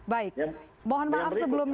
baik mohon maaf sebelumnya